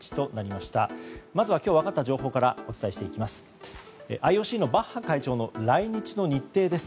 まずは、今日分かった情報からお伝えしていきます。